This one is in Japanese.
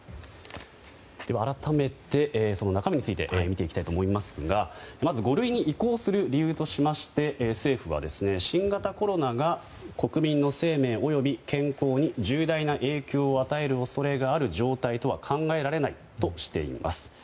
改めて、中身について見ていきたいと思いますがまず五類に移行する理由としまして政府は、新型コロナが国民の生命及び健康に重大な影響を与える恐れがある状態とは考えられないとしています。